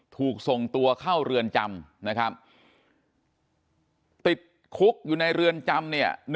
ถูกส่งตัวเข้าเรือนจำนะครับติดคุกอยู่ในเรือนจำเนี่ย